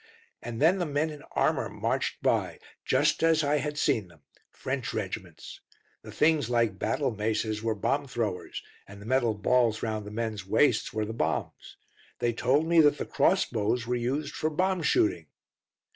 And then the men in armour marched by, just as I had seen them French regiments. The things like battle maces were bomb throwers, and the metal balls round the men's waists were the bombs. They told me that the cross bows were used for bomb shooting.